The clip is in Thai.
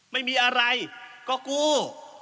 ไม่มีอะไรก็กู้